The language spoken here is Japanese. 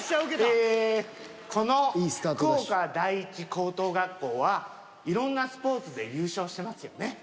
ええこの福岡第一高等学校はいろんなスポーツで優勝してますよね。